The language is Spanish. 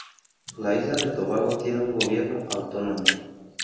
La isla de Tobago tiene un gobierno autónomo.